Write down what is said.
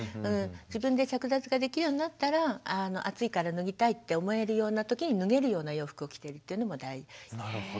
自分で着脱ができるようになったら暑いから脱ぎたいって思えるような時に脱げるような洋服を着ているというのも大事。